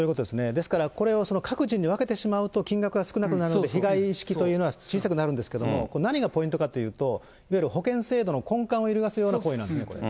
ですからこれを各人に分けてしまうと、金額は少なくなるんで、被害意識というのは小さくなるんですけど、何がポイントかというと、いわゆる保険制度の根幹を揺るがすような行為なんですね、これ。